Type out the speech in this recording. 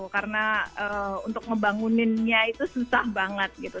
karena untuk ngebanguninnya itu susah banget gitu